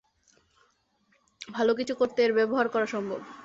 ভাল কিছু করতে এর ব্যবহার করা সম্ভব।